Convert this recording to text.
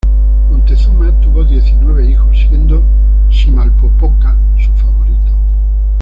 Moctezuma tuvo diecinueve hijos, siendo Chimalpopoca su favorito.